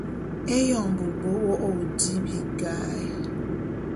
Éyoñ bôt be wô’ô di bika’e.